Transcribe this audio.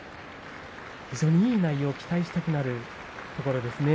非常に、いい内容を期待したくなるところですね。